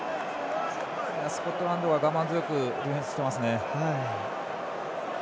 スコットランドは我慢強くディフェンスしてますね。